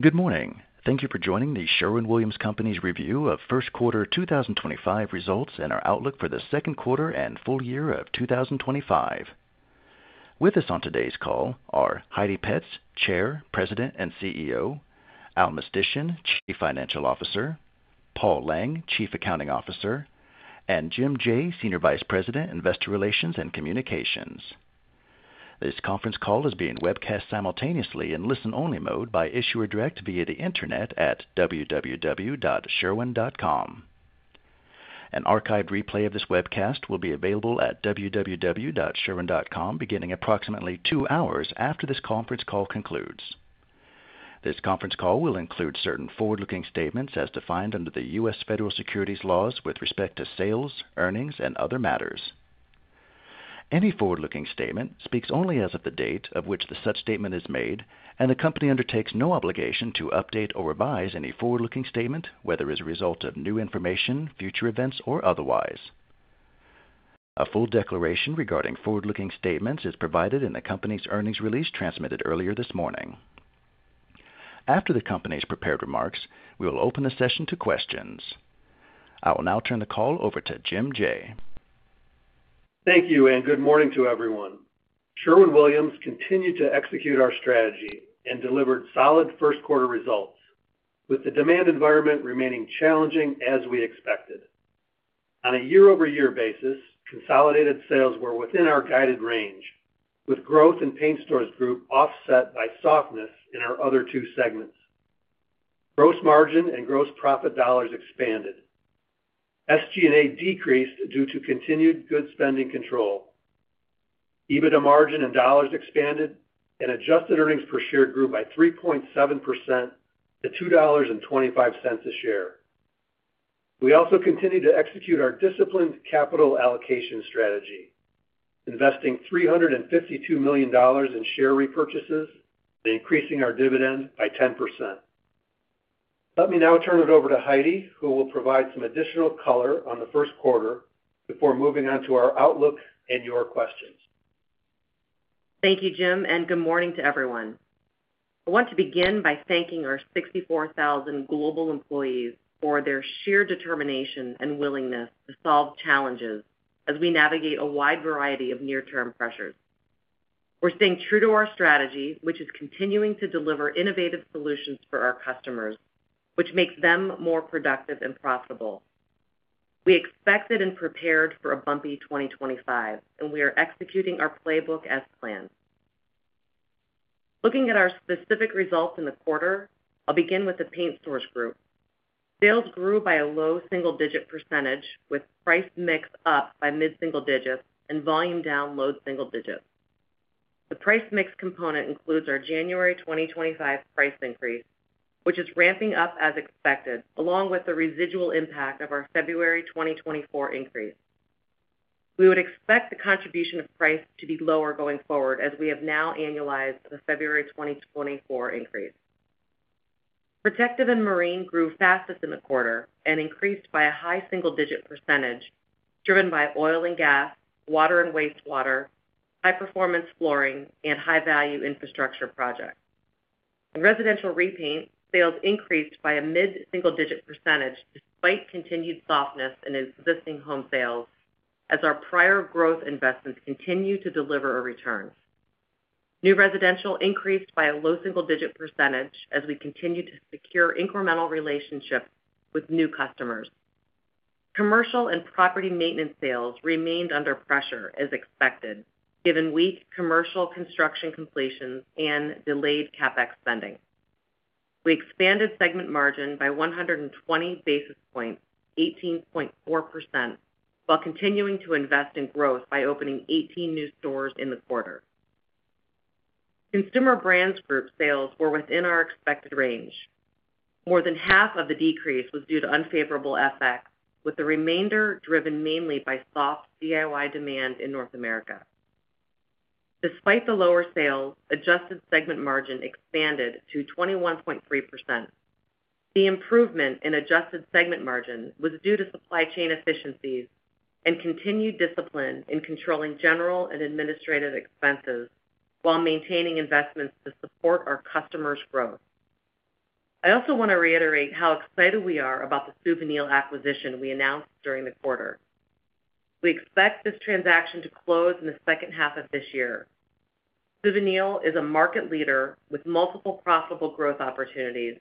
Good morning. Thank you for joining the Sherwin-Williams Company's Review of First Quarter 2025 Results and our Outlook for the Second Quarter and Full Year of 2025. With us on today's call are Heidi Petz, Chair, President and CEO; Al Mistysyn, Chief Financial Officer; Paul Lang, Chief Accounting Officer; and Jim Jaye, Senior Vice President, Investor Relations and Communications. This conference call is being webcast simultaneously in listen-only mode by Issuer Direct via the internet at www.sherwin.com. An archived replay of this webcast will be available at www.sherwin.com beginning approximately two hours after this conference call concludes. This conference call will include certain forward-looking statements as defined under the U.S. federal securities laws with respect to sales, earnings, and other matters. Any forward-looking statement speaks only as of the date of which such statement is made, and the company undertakes no obligation to update or revise any forward-looking statement, whether as a result of new information, future events, or otherwise. A full declaration regarding forward-looking statements is provided in the company's earnings release transmitted earlier this morning. After the company's prepared remarks, we will open the session to questions. I will now turn the call over to Jim Jaye. Thank you and good morning to everyone. Sherwin-Williams continued to execute our strategy and delivered solid first quarter results, with the demand environment remaining challenging as we expected. On a year-over-year basis, consolidated sales were within our guided range, with growth in Paint Stores Group offset by softness in our other two segments. Gross margin and gross profit dollars expanded. SG&A decreased due to continued good spending control. EBITDA margin and dollars expanded, and adjusted earnings per share grew by 3.7% to $2.25 a share. We also continue to execute our disciplined capital allocation strategy, investing $352 million in share repurchases and increasing our dividend by 10%. Let me now turn it over to Heidi, who will provide some additional color on the first quarter before moving on to our outlook and your questions. Thank you, Jim, and good morning to everyone. I want to begin by thanking our 64,000 global employees for their sheer determination and willingness to solve challenges as we navigate a wide variety of near-term pressures. We're staying true to our strategy, which is continuing to deliver innovative solutions for our customers, which makes them more productive and profitable. We expected and prepared for a bumpy 2025, and we are executing our playbook as planned. Looking at our specific results in the quarter, I'll begin with the Paint Stores Group. Sales grew by a low single-digit percentage, with price mix up by mid-single digits and volume down low single digits. The price mix component includes our January 2025 price increase, which is ramping up as expected, along with the residual impact of our February 2024 increase. We would expect the contribution of price to be lower going forward, as we have now annualized the February 2024 increase. Protective and Marine grew fastest in the quarter and increased by a high single-digit percentage, driven by oil and gas, water and wastewater, high-performance flooring, and high-value infrastructure projects. In Residential Repaint, sales increased by a mid-single-digit percentage despite continued softness in existing home sales, as our prior growth investments continue to deliver a return. New Residential increased by a low single-digit percentage as we continue to secure incremental relationships with new customers. Commercial and Property Maintenance sales remained under pressure, as expected, given weak Commercial construction completions and delayed CapEx spending. We expanded segment margin by 120 basis points, 18.4%, while continuing to invest in growth by opening 18 new stores in the quarter. Consumer Brands Group sales were within our expected range. More than half of the decrease was due to unfavorable effects, with the remainder driven mainly by soft DIY demand in North America. Despite the lower sales, adjusted segment margin expanded to 21.3%. The improvement in adjusted segment margin was due to supply chain efficiencies and continued discipline in controlling general and administrative expenses while maintaining investments to support our customers' growth. I also want to reiterate how excited we are about the Suvinil acquisition we announced during the quarter. We expect this transaction to close in the second half of this year. Suvinil is a market leader with multiple profitable growth opportunities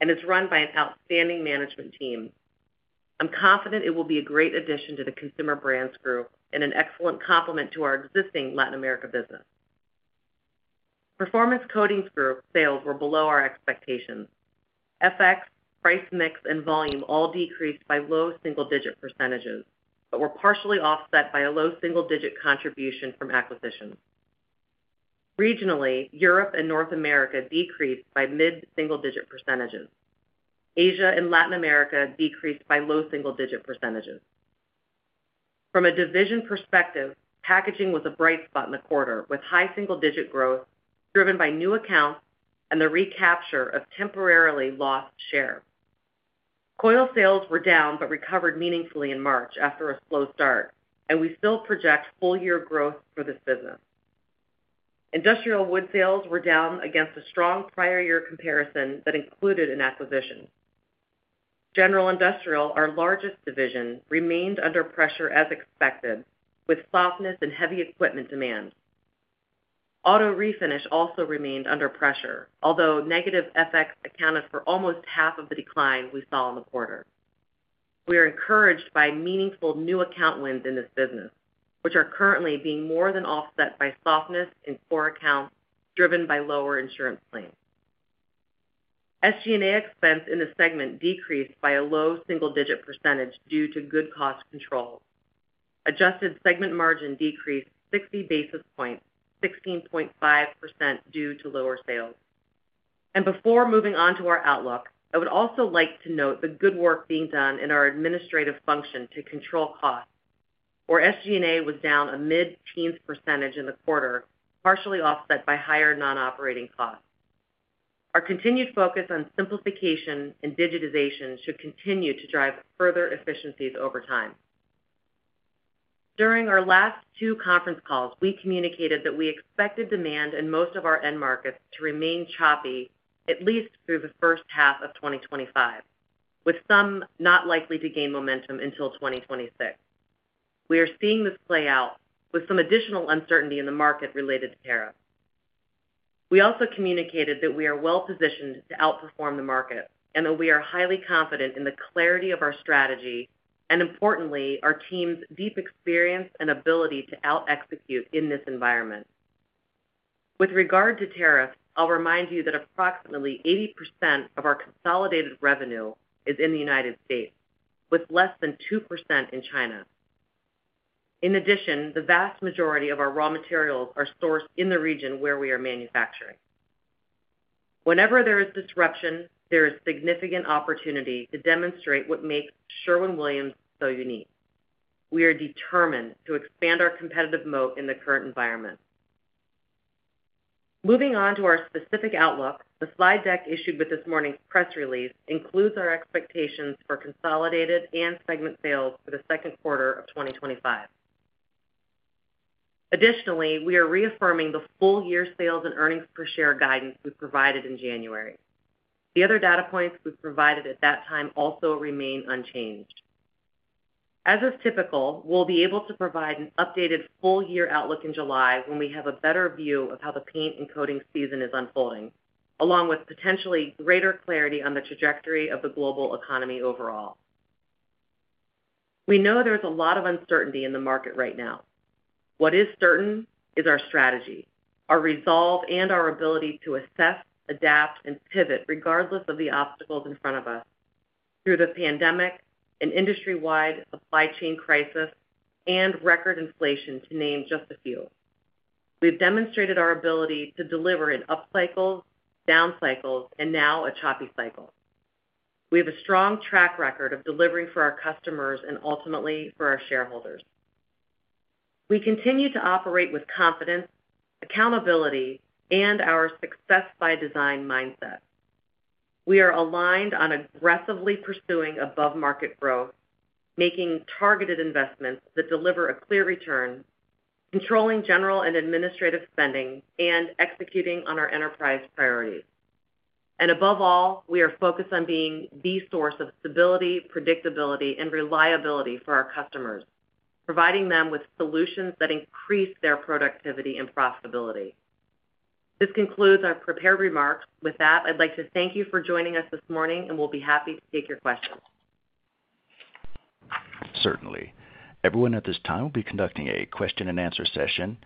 and is run by an outstanding management team. I'm confident it will be a great addition to the Consumer Brands Group and an excellent complement to our existing Latin America business. Performance Coatings Group sales were below our expectations. FX, price mix, and volume all decreased by low single-digit percentages but were partially offset by a low single-digit contribution from acquisitions. Regionally, Europe and North America decreased by mid-single-digit percentages. Asia and Latin America decreased by low single-digit percentages. From a division perspective, Packaging was a bright spot in the quarter, with high single-digit growth driven by new accounts and the recapture of temporarily lost share. Coil sales were down but recovered meaningfully in March after a slow start, and we still project full-year growth for this business. Industrial Wood sales were down against a strong prior-year comparison that included an acquisition. General Industrial, our largest division, remained under pressure as expected, with softness and heavy equipment demand. Auto Refinish also remained under pressure, although negative FX accounted for almost half of the decline we saw in the quarter. We are encouraged by meaningful new account wins in this business, which are currently being more than offset by softness in core accounts driven by lower insurance claims. SG&A expense in the segment decreased by a low single-digit percentage due to good cost control. Adjusted segment margin decreased 60 basis points, 16.5% due to lower sales. Before moving on to our outlook, I would also like to note the good work being done in our administrative function to control costs. Our SG&A was down a mid-teens percentage in the quarter, partially offset by higher non-operating costs. Our continued focus on simplification and digitization should continue to drive further efficiencies over time. During our last two conference calls, we communicated that we expected demand in most of our end markets to remain choppy at least through the first half of 2025, with some not likely to gain momentum until 2026. We are seeing this play out with some additional uncertainty in the market related to tariffs. We also communicated that we are well-positioned to outperform the market and that we are highly confident in the clarity of our strategy and, importantly, our team's deep experience and ability to out-execute in this environment. With regard to tariffs, I'll remind you that approximately 80% of our consolidated revenue is in the U.S., with less than 2% in China. In addition, the vast majority of our raw materials are sourced in the region where we are manufacturing. Whenever there is disruption, there is significant opportunity to demonstrate what makes Sherwin-Williams so unique. We are determined to expand our competitive moat in the current environment. Moving on to our specific outlook, the slide deck issued with this morning's press release includes our expectations for consolidated and segment sales for the second quarter of 2025. Additionally, we are reaffirming the full-year sales and earnings per share guidance we provided in January. The other data points we provided at that time also remain unchanged. As is typical, we'll be able to provide an updated full-year outlook in July when we have a better view of how the paint and coating season is unfolding, along with potentially greater clarity on the trajectory of the global economy overall. We know there's a lot of uncertainty in the market right now. What is certain is our strategy, our resolve, and our ability to assess, adapt, and pivot regardless of the obstacles in front of us through the pandemic, an industry-wide supply chain crisis, and record inflation, to name just a few. We've demonstrated our ability to deliver in up cycles, down cycles, and now a choppy cycle. We have a strong track record of delivering for our customers and ultimately for our shareholders. We continue to operate with confidence, accountability, and our success-by-design mindset. We are aligned on aggressively pursuing above-market growth, making targeted investments that deliver a clear return, controlling general and administrative spending, and executing on our enterprise priorities. Above all, we are focused on being the source of stability, predictability, and reliability for our customers, providing them with solutions that increase their productivity and profitability. This concludes our prepared remarks. With that, I'd like to thank you for joining us this morning, and we'll be happy to take your questions. Certainly. Everyone at this time will be conducting a question-and-answer session.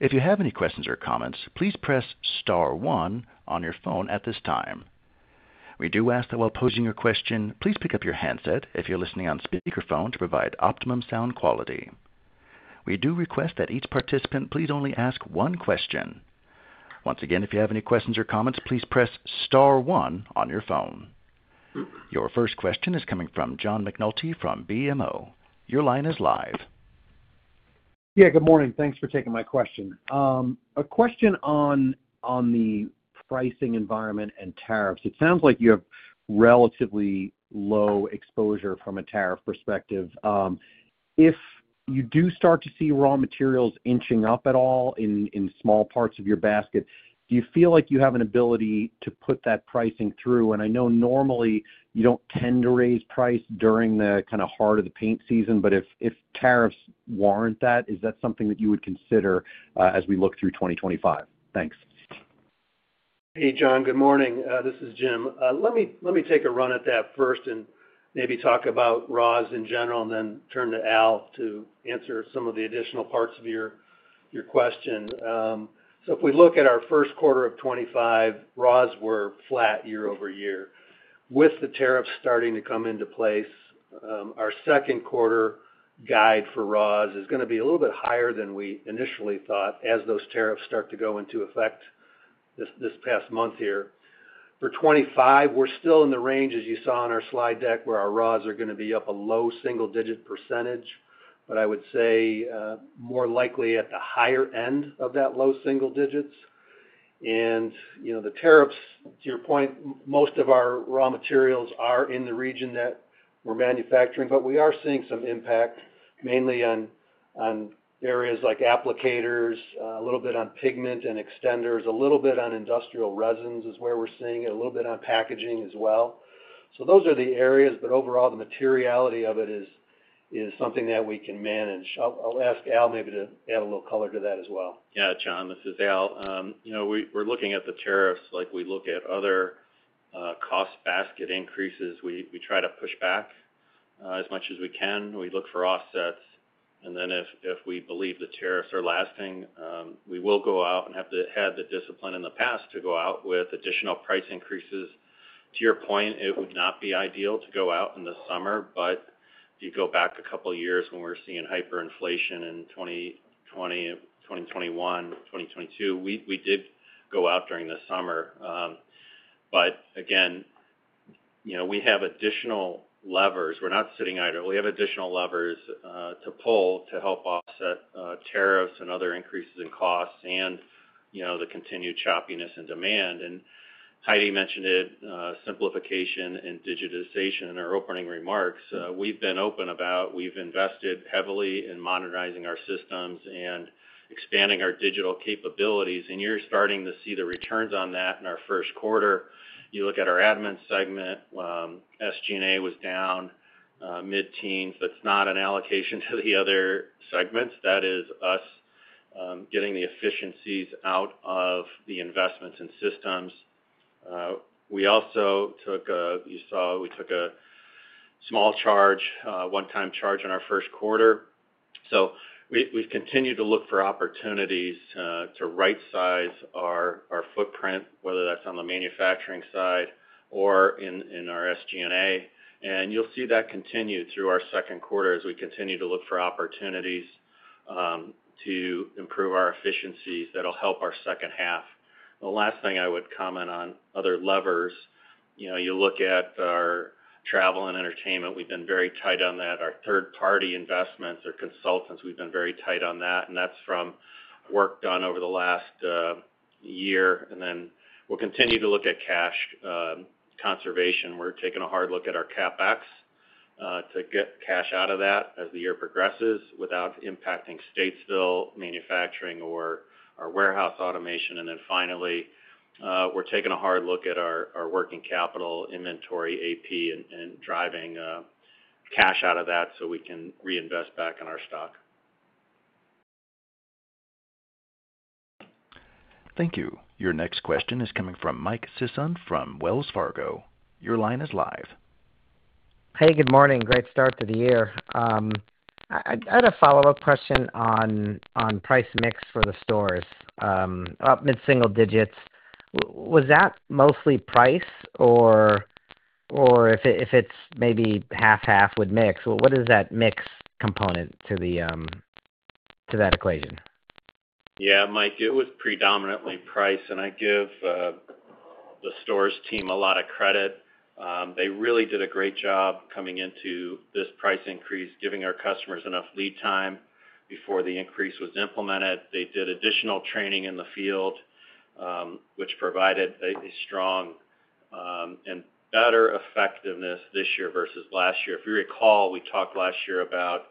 If you have any questions or comments, please press star one on your phone at this time. We do ask that while posing your question, please pick up your handset if you're listening on speakerphone to provide optimum sound quality. We do request that each participant please only ask one question. Once again, if you have any questions or comments, please press star one on your phone. Your first question is coming from John McNulty from BMO. Your line is live. Yeah, good morning. Thanks for taking my question. A question on the pricing environment and tariffs. It sounds like you have relatively low exposure from a tariff perspective. If you do start to see raw materials inching up at all in small parts of your basket, do you feel like you have an ability to put that pricing through? I know normally you do not tend to raise price during the kind of heart of the paint season, but if tariffs warrant that, is that something that you would consider as we look through 2025? Thanks. Hey, John, good morning. This is Jim. Let me take a run at that first and maybe talk about raws in general and then turn to Al to answer some of the additional parts of your question. If we look at our first quarter of 2025, raws were flat year-over-year. With the tariffs starting to come into place, our second quarter guide for raws is going to be a little bit higher than we initially thought as those tariffs start to go into effect this past month here. For 2025, we're still in the range, as you saw on our slide deck, where our raws are going to be up a low single-digit percentage, but I would say more likely at the higher end of that low single digits. The tariffs, to your point, most of our raw materials are in the region that we're manufacturing, but we are seeing some impact mainly on areas like applicators, a little bit on pigment and extenders, a little bit on industrial resins is where we're seeing it, a little bit on Packaging as well. Those are the areas, but overall, the materiality of it is something that we can manage. I'll ask Al maybe to add a little color to that as well. Yeah, John, this is Al. We're looking at the tariffs like we look at other cost basket increases. We try to push back as much as we can. We look for offsets. If we believe the tariffs are lasting, we will go out and have to have the discipline in the past to go out with additional price increases. To your point, it would not be ideal to go out in the summer, but if you go back a couple of years when we're seeing hyperinflation in 2020, 2021, 2022, we did go out during the summer. We have additional levers. We're not sitting idle. We have additional levers to pull to help offset tariffs and other increases in costs and the continued choppiness in demand. Heidi mentioned it, simplification and digitization in our opening remarks. We've been open about we've invested heavily in modernizing our systems and expanding our digital capabilities. You're starting to see the returns on that in our first quarter. You look at our admin segment, SG&A was down mid-teens, but it's not an allocation to the other segments. That is us getting the efficiencies out of the investments and systems. We also took, you saw, we took a small charge, one-time charge in our first quarter. We've continued to look for opportunities to right-size our footprint, whether that's on the manufacturing side or in our SG&A. You'll see that continue through our second quarter as we continue to look for opportunities to improve our efficiencies that'll help our second half. The last thing I would comment on other levers, you look at our travel and entertainment. We've been very tight on that. Our third-party investments or consultants, we've been very tight on that. That is from work done over the last year. We will continue to look at cash conservation. We are taking a hard look at our CapEx to get cash out of that as the year progresses without impacting Statesville manufacturing or our warehouse automation. Finally, we are taking a hard look at our working capital inventory AP and driving cash out of that so we can reinvest back in our stock. Thank you. Your next question is coming from Mike Sison from Wells Fargo. Your line is live. Hey, good morning. Great start to the year. I had a follow-up question on price mix for the stores, up mid-single digits. Was that mostly price or if it's maybe half-half with mix? What is that mix component to that equation? Yeah, Mike, it was predominantly price, and I give the stores team a lot of credit. They really did a great job coming into this price increase, giving our customers enough lead time before the increase was implemented. They did additional training in the field, which provided a strong and better effectiveness this year versus last year. If you recall, we talked last year about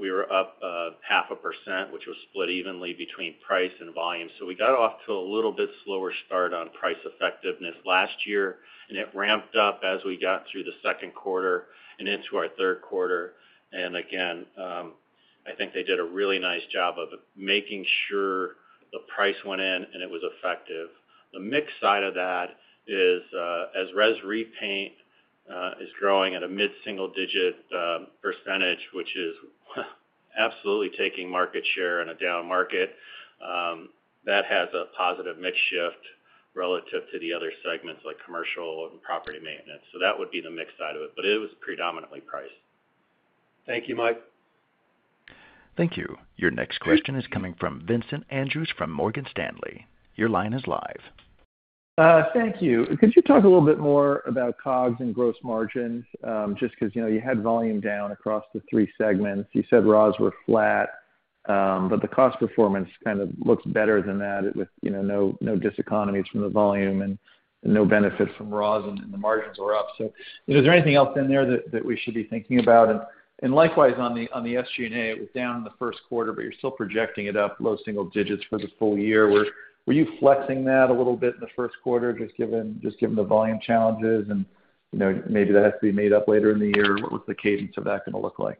we were up 0.5%, which was split evenly between price and volume. We got off to a little bit slower start on price effectiveness last year, and it ramped up as we got through the second quarter and into our third quarter. I think they did a really nice job of making sure the price went in and it was effective. The mix side of that is as Res Repaint is growing at a mid-single-digit percentage, which is absolutely taking market share in a down market, that has a positive mix shift relative to the other segments like Commercial and Property Maintenance. That would be the mix side of it, but it was predominantly price. Thank you, Mike. Thank you. Your next question is coming from Vincent Andrews from Morgan Stanley. Your line is live. Thank you. Could you talk a little bit more about COGS and gross margins? Just because you had volume down acrawss the three segments. You said raws were flat, but the cost performance kind of looks better than that with no diseconomies from the volume and no benefits from raws, and the margins were up. Is there anything else in there that we should be thinking about? Likewise on the SG&A, it was down in the first quarter, but you're still projecting it up low single digits for the full year. Were you flexing that a little bit in the first quarter just given the volume challenges? Maybe that has to be made up later in the year. What was the cadence of that going to look like?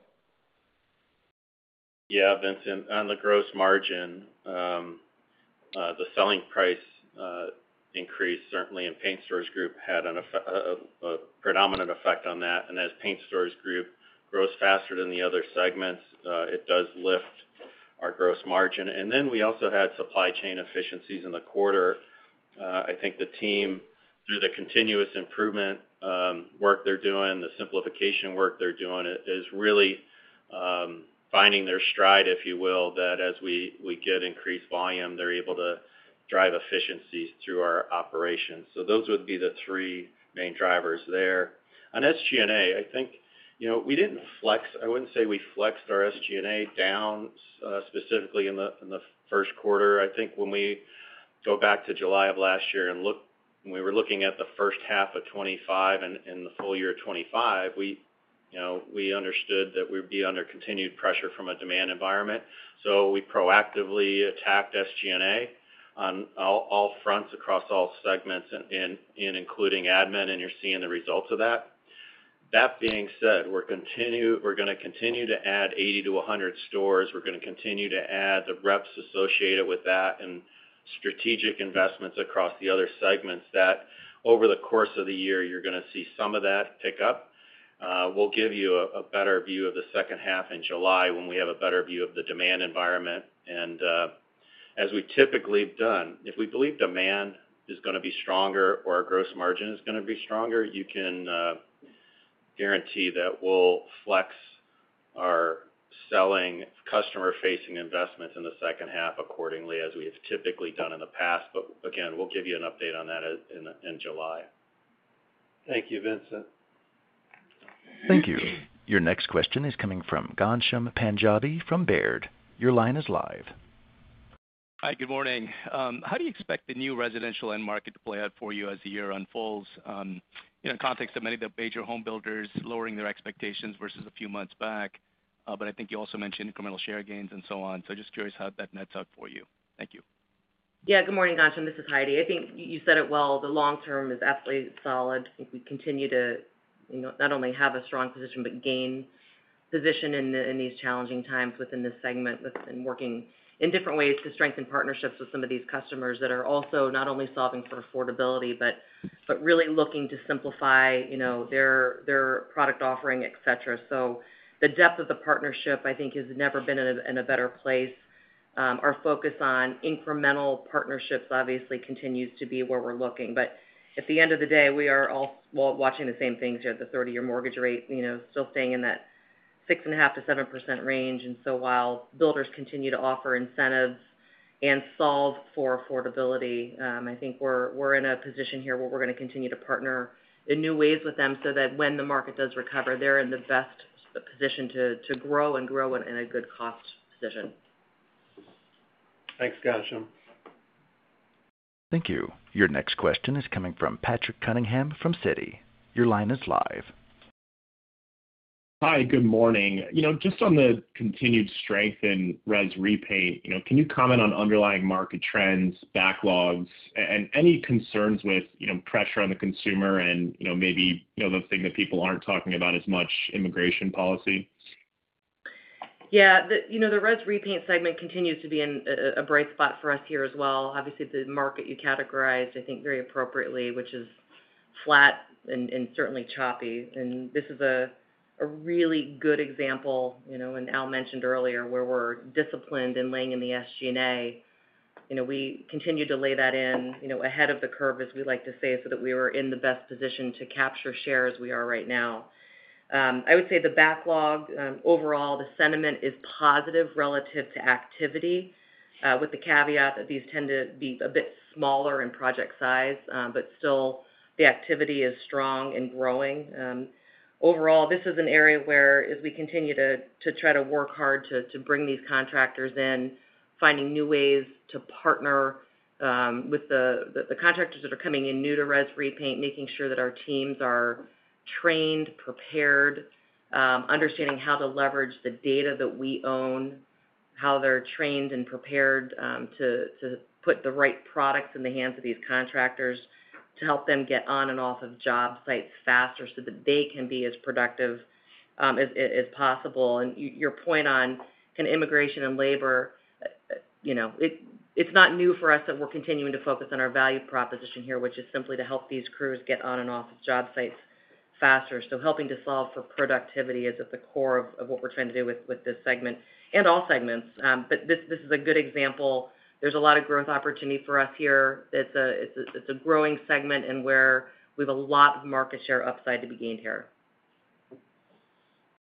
Yeah, Vincent, on the gross margin, the selling price increase certainly in Paint Stores Group had a predominant effect on that. As Paint Stores Group grows faster than the other segments, it does lift our gross margin. We also had supply chain efficiencies in the quarter. I think the team, through the continuous improvement work they are doing, the simplification work they are doing, is really finding their stride, if you will, that as we get increased volume, they are able to drive efficiencies through our operations. Those would be the three main drivers there. On SG&A, I think we did not flex. I would not say we flexed our SG&A down specifically in the first quarter. I think when we go back to July of last year and look, we were looking at the first half of 2025 and the full year of 2025, we understood that we would be under continued pressure from a demand environment. We proactively attacked SG&A on all fronts acrawss all segments, including admin, and you're seeing the results of that. That being said, we're going to continue to add 80-100 stores. We're going to continue to add the reps associated with that and strategic investments acrawss the other segments that over the course of the year, you're going to see some of that pick up. We'll give you a better view of the second half in July when we have a better view of the demand environment. As we typically have done, if we believe demand is going to be stronger or our gross margin is going to be stronger, you can guarantee that we'll flex our selling customer-facing investments in the second half accordingly as we have typically done in the past. Again, we'll give you an update on that in July. Thank you, Vincent. Thank you. Your next question is coming from Ghansham Panjabi from Baird. Your line is live. Hi, good morning. How do you expect the New Residential end market to play out for you as the year unfolds in the context of many of the major homebuilders lowering their expectations versus a few months back? I think you also mentioned incremental share gains and so on. Just curious how that nets out for you. Thank you. Yeah, good morning, Ghansham. This is Heidi. I think you said it well. The long term is absolutely solid. I think we continue to not only have a strong position, but gain position in these challenging times within this segment and working in different ways to strengthen partnerships with some of these customers that are also not only solving for affordability, but really looking to simplify their product offering, etc. The depth of the partnership, I think, has never been in a better place. Our focus on incremental partnerships obviously continues to be where we're looking. At the end of the day, we are all watching the same things here. The 30-year mortgage rate still staying in that 6.5-7% range. While builders continue to offer incentives and solve for affordability, I think we're in a position here where we're going to continue to partner in new ways with them so that when the market does recover, they're in the best position to grow and grow in a good cost position. Thanks, Ghansham. Thank you. Your next question is coming from Patrick Cunningham from Citi. Your line is live. Hi, good morning. Just on the continued strength in Res Repaint, can you comment on underlying market trends, backlogs, and any concerns with pressure on the consumer and maybe the thing that people aren't talking about as much, immigration policy? Yeah, the Res Repaint segment continues to be in a bright spot for us here as well. Obviously, the market you categorized, I think very appropriately, which is flat and certainly choppy. This is a really good example, and Al mentioned earlier, where we're disciplined in laying in the SG&A. We continue to lay that in ahead of the curve, as we like to say, so that we were in the best position to capture shares we are right now. I would say the backlog overall, the sentiment is positive relative to activity, with the caveat that these tend to be a bit smaller in project size, but still the activity is strong and growing. Overall, this is an area where, as we continue to try to work hard to bring these contractors in, finding new ways to partner with the contractors that are coming in new to Res Repaint, making sure that our teams are trained, prepared, understanding how to leverage the data that we own, how they're trained and prepared to put the right products in the hands of these contractors to help them get on and off of job sites faster so that they can be as productive as possible. Your point on immigration and labor, it's not new for us that we're continuing to focus on our value proposition here, which is simply to help these crews get on and off of job sites faster. Helping to solve for productivity is at the core of what we're trying to do with this segment and all segments. This is a good example. There's a lot of growth opportunity for us here. It's a growing segment and where we have a lot of market share upside to be gained here.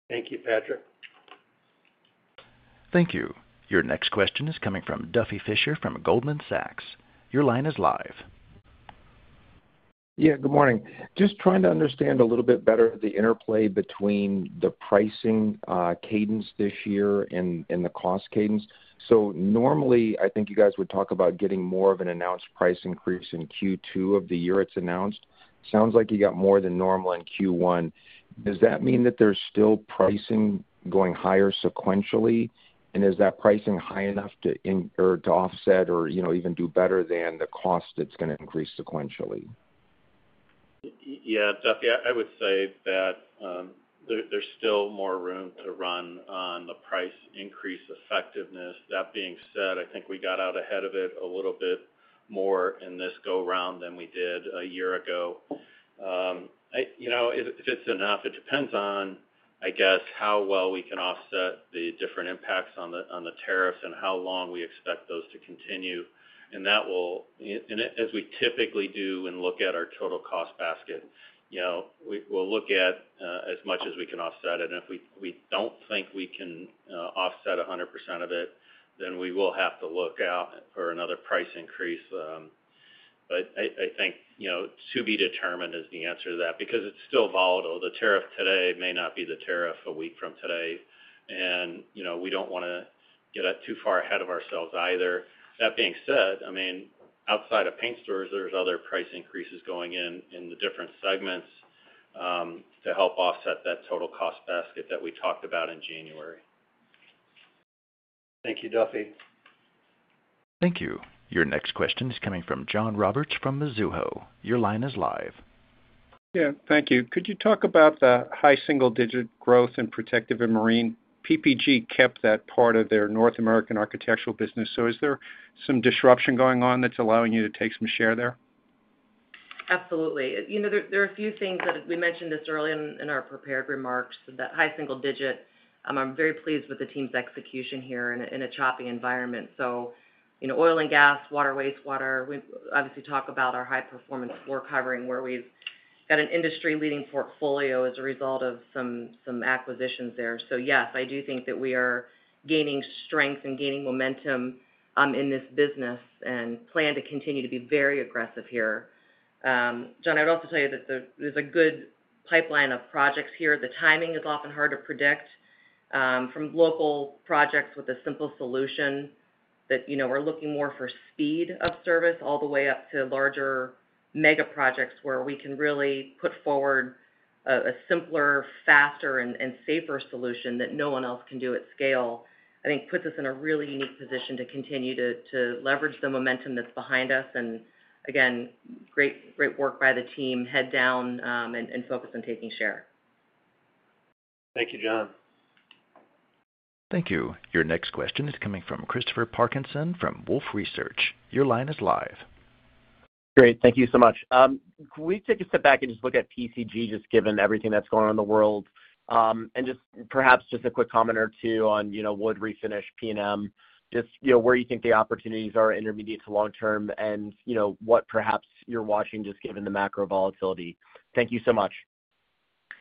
Thank you, Patrick. Thank you. Your next question is coming from Duffy Fischer from Goldman Sachs. Your line is live. Yeah, good morning. Just trying to understand a little bit better the interplay between the pricing cadence this year and the cost cadence. Normally, I think you guys would talk about getting more of an announced price increase in Q2 of the year it's announced. Sounds like you got more than normal in Q1. Does that mean that there's still pricing going higher sequentially? Is that pricing high enough to offset or even do better than the cost that's going to increase sequentially? Yeah, Duffy, I would say that there's still more room to run on the price increase effectiveness. That being said, I think we got out ahead of it a little bit more in this go-round than we did a year ago. If it's enough, it depends on, I guess, how well we can offset the different impacts on the tariffs and how long we expect those to continue. That will, as we typically do and look at our total cost basket, we'll look at as much as we can offset it. If we don't think we can offset 100% of it, then we will have to look out for another price increase. I think to be determined is the answer to that because it's still volatile. The tariff today may not be the tariff a week from today. We do not want to get too far ahead of ourselves either. That being said, I mean, outside of Paint Stores, there are other price increases going in in the different segments to help offset that total cost basket that we talked about in January. Thank you, Duffy. Thank you. Your next question is coming from John Roberts from Mizuho. Your line is live. Yeah, thank you. Could you talk about the high single-digit growth in Protective and Marine? PPG kept that part of their North American architectural business. Is there some disruption going on that's allowing you to take some share there? Absolutely. There are a few things that we mentioned this early in our prepared remarks, that high single digit. I'm very pleased with the team's execution here in a choppy environment. Oil and gas, water, wastewater, we obviously talk about our high-performance floor covering where we've got an industry-leading portfolio as a result of some acquisitions there. Yes, I do think that we are gaining strength and gaining momentum in this business and plan to continue to be very aggressive here. John, I would also tell you that there's a good pipeline of projects here. The timing is often hard to predict from local projects with a simple solution that we're looking more for speed of service all the way up to larger mega projects where we can really put forward a simpler, faster, and safer solution that no one else can do at scale. I think puts us in a really unique position to continue to leverage the momentum that's behind us. Again, great work by the team, head down and focus on taking share. Thank you, John. Thank you. Your next question is coming from Christopher Parkinson from Wolfe Research. Your line is live. Great. Thank you so much. Can we take a step back and just look at PCG just given everything that's going on in the world? And just perhaps just a quick comment or two on wood refinish, P&M, just where you think the opportunities are intermediate to long term and what perhaps you're watching just given the macro volatility. Thank you so much.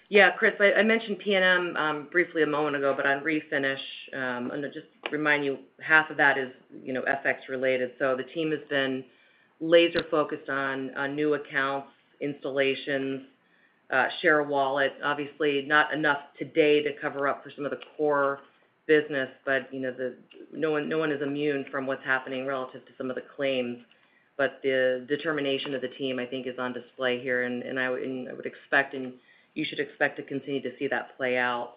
Yeah, Chris, I mentioned P&M briefly a moment ago, but on refinish, just to remind you, half of that is FX-related. The team has been laser-focused on new accounts, installations, share wallet. Obviously, not enough today to cover up for some of the core business, but no one is immune from what's happening relative to some of the claims. The determination of the team, I think, is on display here. I would expect, and you should expect to continue to see that play out.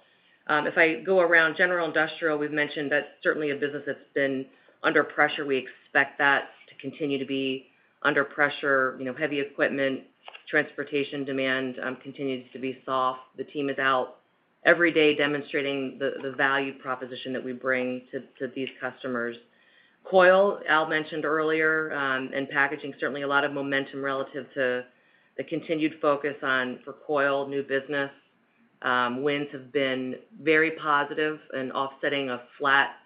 If I go around general industrial, we've mentioned that's certainly a business that's been under pressure. We expect that to continue to be under pressure. Heavy equipment, transportation demand continues to be soft. The team is out every day demonstrating the value proposition that we bring to these customers. Coil, Al mentioned earlier, and Packaging, certainly a lot of momentum relative to the continued focus on for Coil, new business. Winds have been very positive and offsetting a flat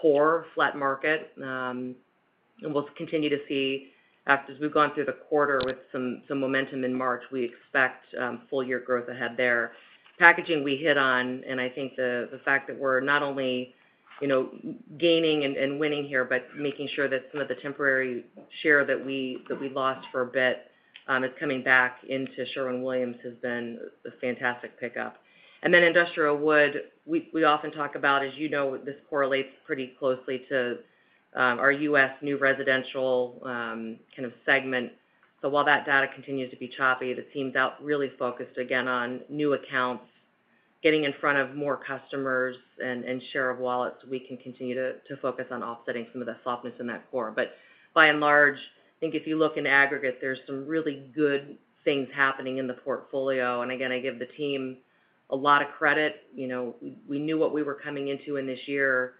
core, flat market. We will continue to see after we've gone through the quarter with some momentum in March, we expect full year growth ahead there. Packaging, we hit on, and I think the fact that we're not only gaining and winning here, but making sure that some of the temporary share that we lost for a bit is coming back into Sherwin-Williams has been a fantastic pickup. Industrial Wood, we often talk about, as you know, this correlates pretty closely to our U.S. New Residential kind of segment. While that data continues to be choppy, the team's out really focused again on new accounts, getting in front of more customers and share of wallets so we can continue to focus on offsetting some of the softness in that core. By and large, I think if you look in aggregate, there's some really good things happening in the portfolio. Again, I give the team a lot of credit. We knew what we were coming into in this year.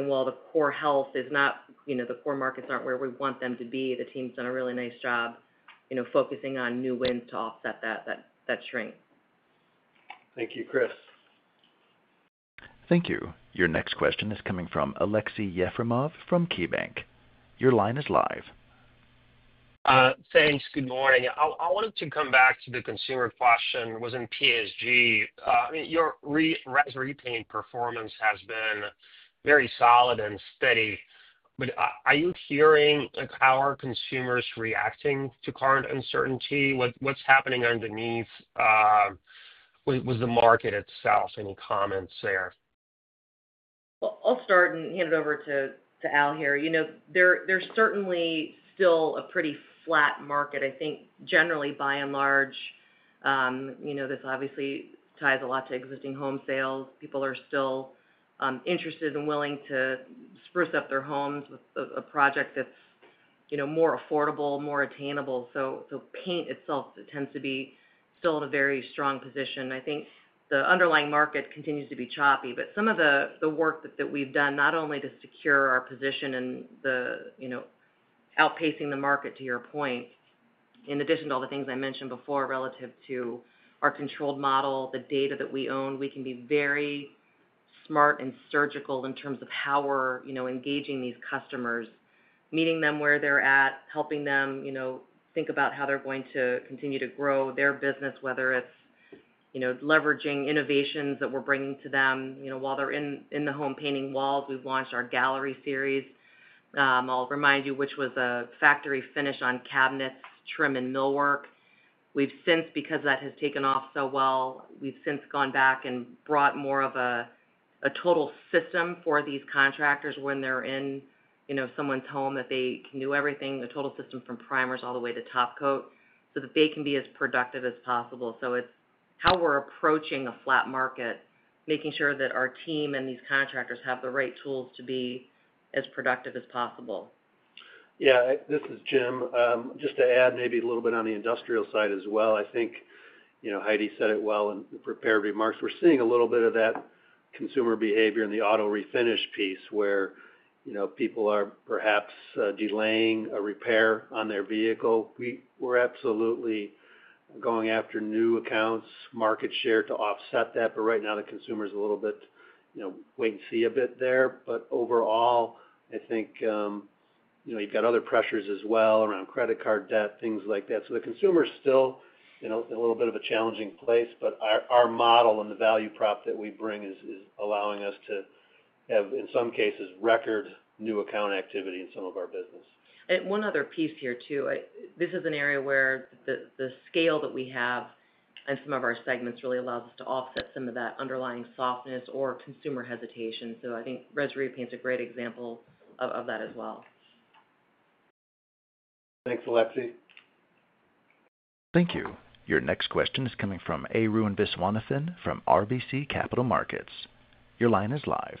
While the core health is not, the core markets aren't where we want them to be, the team's done a really nice job focusing on new wins to offset that strength. Thank you, Chris. Thank you. Your next question is coming from Aleksey Yefremov from KeyBanc. Your line is live. Thanks. Good morning. I wanted to come back to the consumer question that was in PSG. I mean, your Res Repaint performance has been very solid and steady. Are you hearing how are consumers reacting to current uncertainty? What's happening underneath with the market itself? Any comments there? I will start and hand it over to Al here. There is certainly still a pretty flat market. I think generally, by and large, this obviously ties a lot to existing home sales. People are still interested and willing to spruce up their homes with a project that is more affordable, more attainable. Paint itself tends to be still in a very strong position. I think the underlying market continues to be choppy. Some of the work that we've done not only to secure our position and outpacing the market, to your point, in addition to all the things I mentioned before relative to our controlled model, the data that we own, we can be very smart and surgical in terms of how we're engaging these customers, meeting them where they're at, helping them think about how they're going to continue to grow their business, whether it's leveraging innovations that we're bringing to them while they're in the home painting walls. We've launched our Gallery Series. I'll remind you, which was a factory finish on cabinets, trim, and millwork. We've since, because that has taken off so well, gone back and brought more of a total system for these contractors when they're in someone's home that they can do everything, a total system from primers all the way to topcoat so that they can be as productive as possible. It's how we're approaching a flat market, making sure that our team and these contractors have the right tools to be as productive as possible. Yeah, this is Jim. Just to add maybe a little bit on the industrial side as well. I think Heidi said it well in the prepared remarks. We're seeing a little bit of that consumer behavior in the Auto Refinish piece where people are perhaps delaying a repair on their vehicle. We're absolutely going after new accounts, market share to offset that. Right now, the consumer is a little bit wait and see a bit there. Overall, I think you've got other pressures as well around credit card debt, things like that. The consumer is still in a little bit of a challenging place. Our model and the value prop that we bring is allowing us to have, in some cases, record new account activity in some of our business. One other piece here too, this is an area where the scale that we have and some of our segments really allows us to offset some of that underlying softness or consumer hesitation. I think Res Repaint is a great example of that as well. Thanks, Aleksey. Thank you. Your next question is coming from Arun Viswanathan from RBC Capital Markets. Your line is live.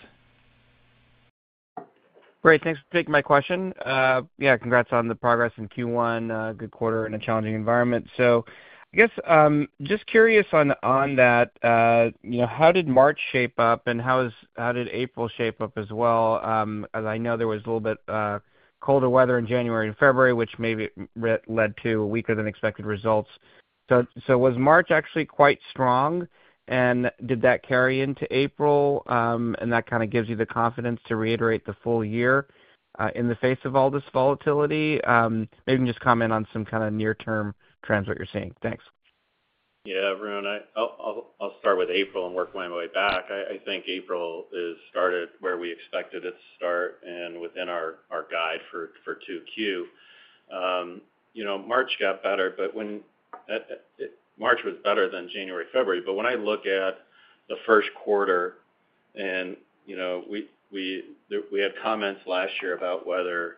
Great. Thanks for taking my question. Yeah, congrats on the progress in Q1, good quarter, and a challenging environment. I guess just curious on that, how did March shape up and how did April shape up as well? I know there was a little bit colder weather in January and February, which maybe led to weaker than expected results. Was March actually quite strong? Did that carry into April? That kind of gives you the confidence to reiterate the full year in the face of all this volatility. Maybe just comment on some kind of near-term trends that you're seeing. Thanks. Yeah, everyone, I'll start with April and work my way back. I think April started where we expected it to start and within our guide for Q2. March got better, but March was better than January, February. When I look at the first quarter, and we had comments last year about weather,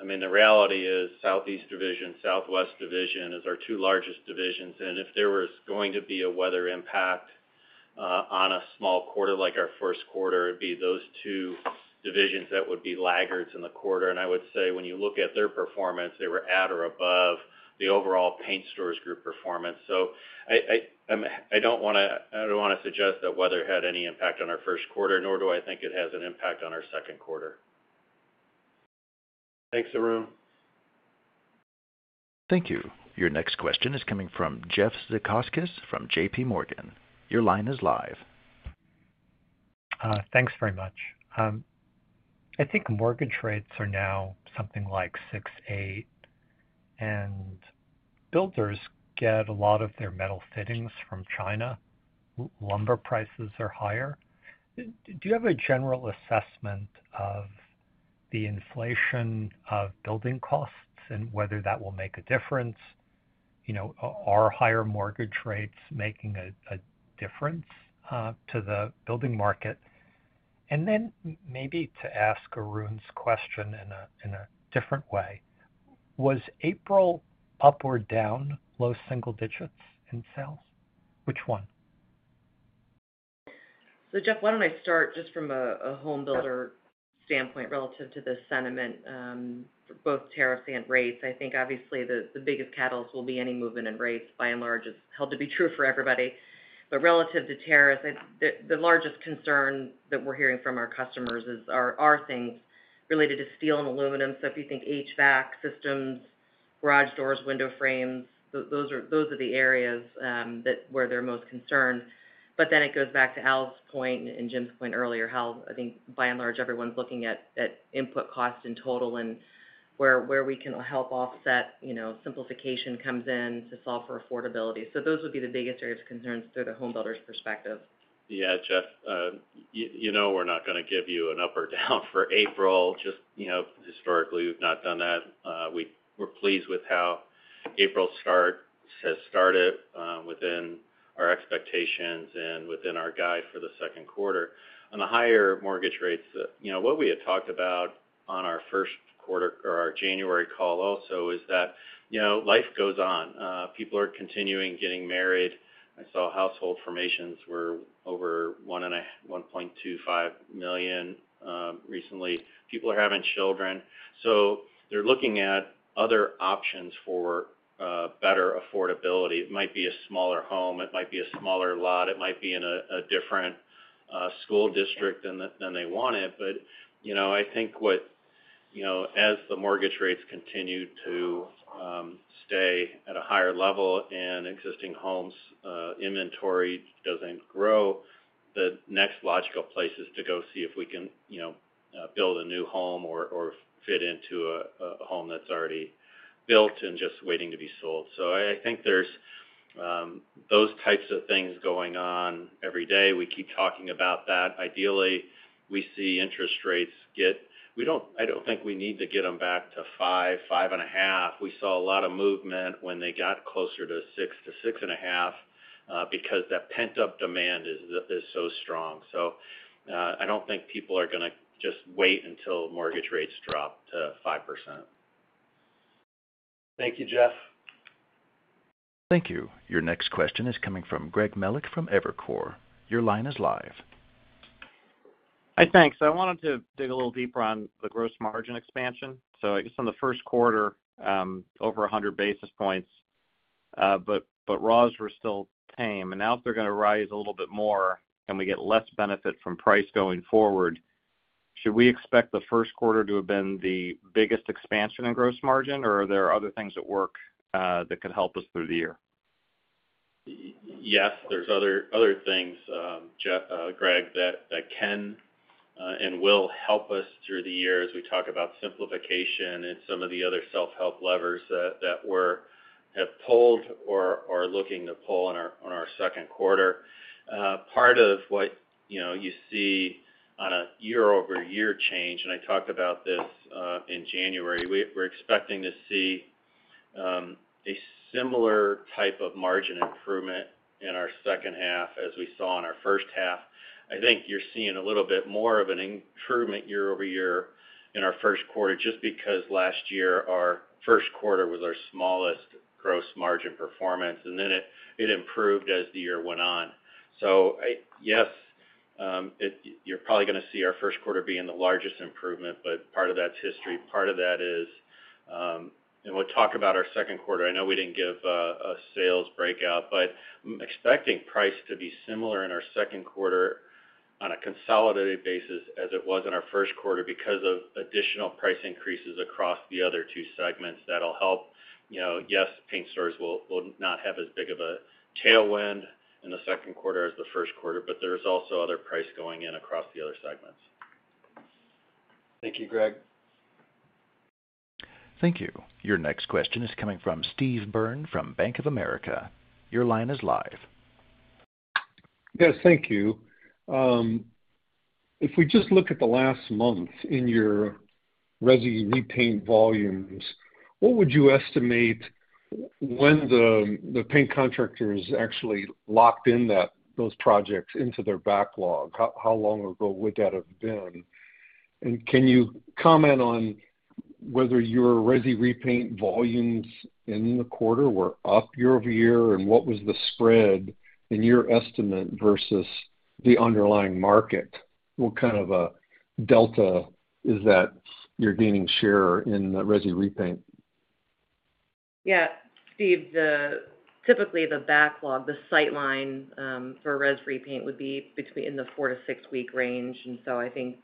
I mean, the reality is Southeast Division, Southwest Division are our two largest divisions. If there was going to be a weather impact on a small quarter like our first quarter, it'd be those two divisions that would be laggards in the quarter. I would say when you look at their performance, they were at or above the overall Paint Stores Group performance. I don't want to suggest that weather had any impact on our first quarter, nor do I think it has an impact on our second quarter. Thanks, Arun. Thank you. Your next question is coming from Jeff Zekauskas from JPMorgan. Your line is live. Thanks very much. I think mortgage rates are now something like 6, 8. And builders get a lot of their metal fittings from China. Lumber prices are higher. Do you have a general assessment of the inflation of building costs and whether that will make a difference? Are higher mortgage rates making a difference to the building market? Maybe to ask Arun's question in a different way, was April up or down, low single digits in sales? Which one? Jeff, why don't I start just from a home builder standpoint relative to the sentiment for both tariffs and rates? I think obviously the biggest catalyst will be any movement in rates. By and large, it's held to be true for everybody. Relative to tariffs, the largest concern that we're hearing from our customers are things related to steel and aluminum. If you think HVAC systems, garage doors, window frames, those are the areas where they're most concerned. It goes back to Al's point and Jim's point earlier, how I think by and large, everyone's looking at input cost in total and where we can help offset. Simplification comes in to solve for affordability. Those would be the biggest areas of concerns through the home builder's perspective. Yeah, Jeff, you know we're not going to give you an up or down for April. Just historically, we've not done that. We're pleased with how April has started within our expectations and within our guide for the second quarter. On the higher mortgage rates, what we had talked about on our first quarter or our January call also is that life goes on. People are continuing getting married. I saw household formations were over 1.25 million recently. People are having children. So they're looking at other options for better affordability. It might be a smaller home. It might be a smaller lot. It might be in a different school district than they want it. I think as the mortgage rates continue to stay at a higher level and existing homes' inventory does not grow, the next logical place is to go see if we can build a new home or fit into a home that is already built and just waiting to be sold. I think there are those types of things going on every day. We keep talking about that. Ideally, we see interest rates get—I do not think we need to get them back to five, five and a half. We saw a lot of movement when they got closer to six to six and a half because that pent-up demand is so strong. I do not think people are going to just wait until mortgage rates drop to 5%. Thank you, Jeff. Thank you. Your next question is coming from Greg Melich from Evercore. Your line is live. Hi, thanks. I wanted to dig a little deeper on the gross margin expansion. I guess in the first quarter, over 100 basis points, but raws were still tame. Now if they're going to rise a little bit more and we get less benefit from price going forward, should we expect the first quarter to have been the biggest expansion in gross margin, or are there other things at work that could help us through the year? Yes, there's other things, Greg, that can and will help us through the year as we talk about simplification and some of the other self-help levers that have pulled or are looking to pull in our second quarter. Part of what you see on a year-over-year change, and I talked about this in January, we're expecting to see a similar type of margin improvement in our second half as we saw in our first half. I think you're seeing a little bit more of an improvement year-over-year in our first quarter just because last year our first quarter was our smallest gross margin performance, and then it improved as the year went on. Yes, you're probably going to see our first quarter being the largest improvement, but part of that's history. Part of that is, and we'll talk about our second quarter. I know we did not give a sales breakout, but I am expecting price to be similar in our second quarter on a consolidated basis as it was in our first quarter because of additional price increases acrawss the other two segments that will help. Yes, Paint Stores will not have as big of a tailwind in the second quarter as the first quarter, but there is also other price going in acrawss the other segments. Thank you, Greg. Thank you. Your next question is coming from Steve Byrne from Bank of America. Your line is live. Yes, thank you. If we just look at the last month in your Res Repaint volumes, what would you estimate when the paint contractors actually locked in those projects into their backlog? How long ago would that have been? Can you comment on whether your Res Repaint volumes in the quarter were up year-over-year? What was the spread in your estimate versus the underlying market? What kind of a delta is that you're gaining share in Res Repaint? Yeah, Steve, typically the backlog, the sightline for Res Repaint would be in the four to six-week range. I think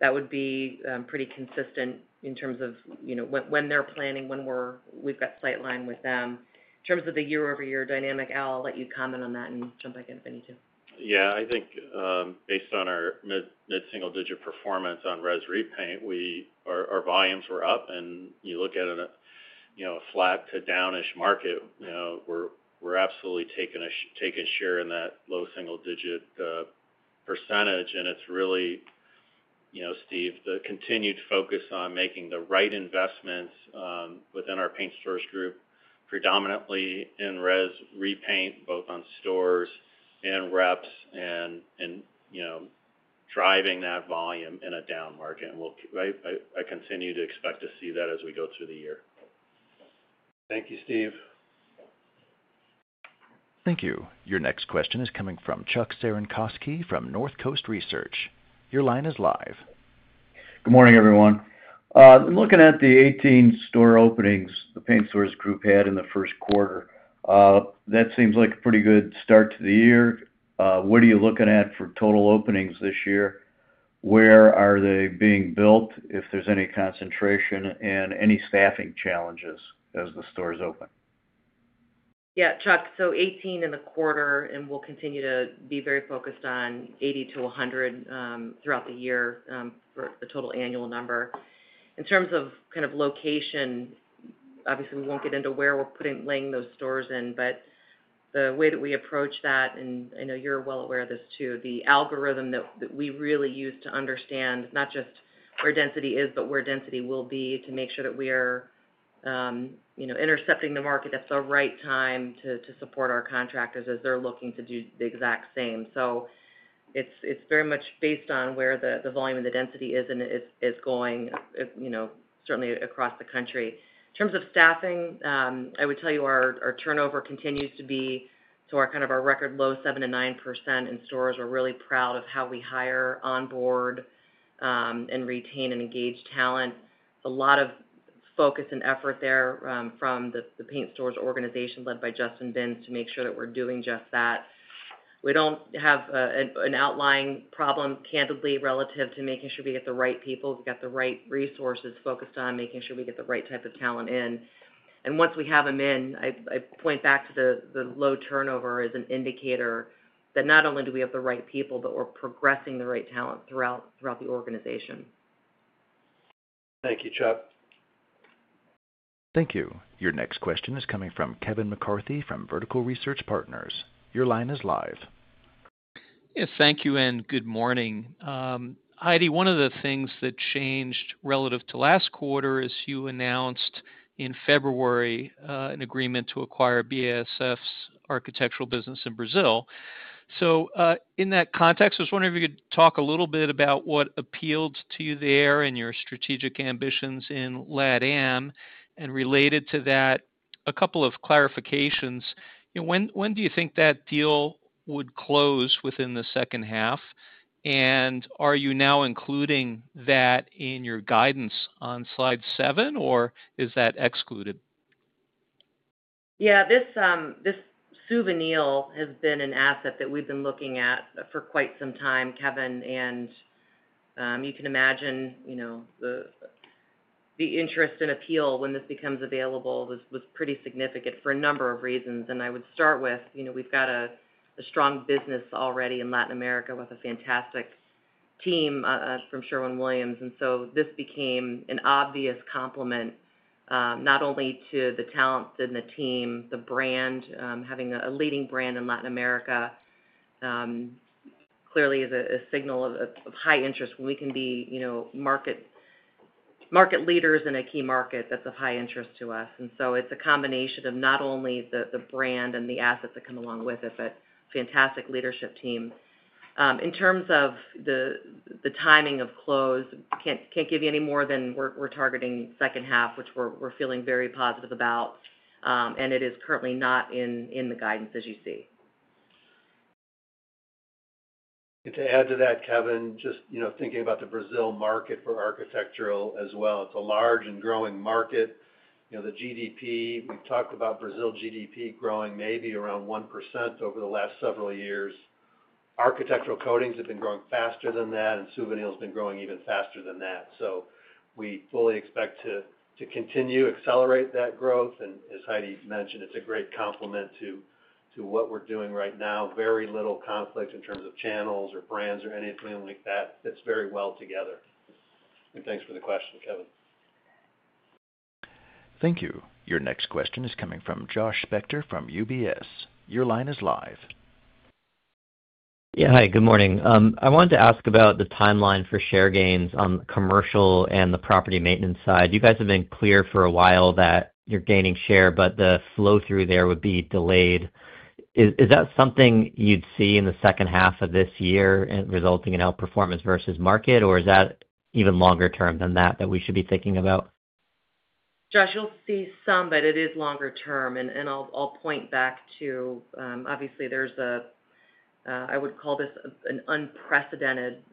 that would be pretty consistent in terms of when they're planning, when we've got sightline with them. In terms of the year-over-year dynamic, Al, I'll let you comment on that and jump back in if you need to. Yeah, I think based on our mid-single-digit performance on Res Repaint, our volumes were up. You look at a flat to downish market, we're absolutely taking share in that low single-digit percentage. It's really, Steve, the continued focus on making the right investments within our Paint Stores Group, predominantly in Res Repaint, both on stores and reps, and driving that volume in a down market. I continue to expect to see that as we go through the year. Thank you, Steve. Thank you. Your next question is coming from Chuck Cerankosky from Northcoast Research. Your line is live. Good morning, everyone. I'm looking at the 18 store openings the Paint Stores Group had in the first quarter. That seems like a pretty good start to the year. What are you looking at for total openings this year? Where are they being built if there's any concentration and any staffing challenges as the stores open? Yeah, Chuck, so 18 in the quarter, and we'll continue to be very focused on 80-100 throughout the year for the total annual number. In terms of kind of location, obviously, we won't get into where we're laying those stores in, but the way that we approach that, and I know you're well aware of this too, the algorithm that we really use to understand not just where density is, but where density will be to make sure that we are intercepting the market at the right time to support our contractors as they're looking to do the exact same. It is very much based on where the volume and the density is going, certainly acrawss the country. In terms of staffing, I would tell you our turnover continues to be kind of our record low, 7-9%, and stores are really proud of how we hire, onboard, and retain, and engage talent. A lot of focus and effort there from the Paint Stores organization led by Justin Binns to make sure that we're doing just that. We do not have an outlying problem, candidly, relative to making sure we get the right people. We have the right resources focused on making sure we get the right type of talent in. And once we have them in, I point back to the low turnover as an indicator that not only do we have the right people, but we are progressing the right talent throughout the organization. Thank you, Chuck. Thank you. Your next question is coming from Kevin McCarthy from Vertical Research Partners. Your line is live. Yes, thank you, and good morning. Heidi, one of the things that changed relative to last quarter is you announced in February an agreement to acquire BASF's architectural business in Brazil. In that context, I was wondering if you could talk a little bit about what appealed to you there and your strategic ambitions in LATAM. Related to that, a couple of clarifications. When do you think that deal would close within the second half? Are you now including that in your guidance on slide seven, or is that excluded? Yeah, this Suvinil has been an asset that we've been looking at for quite some time, Kevin. You can imagine the interest and appeal when this becomes available was pretty significant for a number of reasons. I would start with we've got a strong business already in Latin America with a fantastic team from Sherwin-Williams. This became an obvious complement not only to the talent and the team, the brand, having a leading brand in Latin America clearly is a signal of high interest when we can be market leaders in a key market that's of high interest to us. It is a combination of not only the brand and the assets that come along with it, but a fantastic leadership team. In terms of the timing of close, can't give you any more than we're targeting second half, which we're feeling very positive about. It is currently not in the guidance as you see. To add to that, Kevin, just thinking about the Brazil market for architectural as well. It is a large and growing market. The GDP, we have talked about Brazil GDP growing maybe around 1% over the last several years. Architectural coatings have been growing faster than that, and Suvinil has been growing even faster than that. We fully expect to continue to accelerate that growth. As Heidi mentioned, it is a great complement to what we are doing right now. Very little conflict in terms of channels or brands or anything like that. It fits very well together. Thanks for the question, Kevin. Thank you. Your next question is coming from Josh Spector from UBS. Your line is live. Yeah, hi, good morning. I wanted to ask about the timeline for share gains on the Commercial and the Property Maintenance side. You guys have been clear for a while that you're gaining share, but the flow through there would be delayed. Is that something you'd see in the second half of this year resulting in outperformance versus market, or is that even longer term than that that we should be thinking about? Josh, you'll see some, but it is longer term. I will point back to, obviously, there's a, I would call this an unprecedented